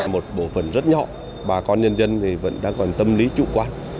một bộ phần rất nhỏ bà con nhân dân vẫn đang còn tâm lý trụ quan